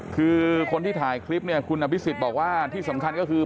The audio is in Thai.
คือคนที่ถ่ายคลิปเนี่ยคุณอภิษฎบอกว่าที่สำคัญก็คือ